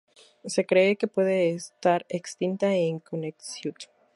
Se cree que puede estar extinta en Connecticut.